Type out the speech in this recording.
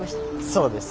そうです。